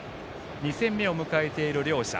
２戦目を迎えている両者。